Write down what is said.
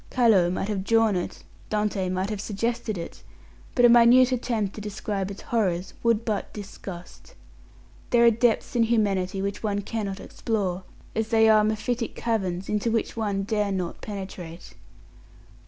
Callot might have drawn it, Dante might have suggested it, but a minute attempt to describe its horrors would but disgust. There are depths in humanity which one cannot explore, as there are mephitic caverns into which one dare not penetrate.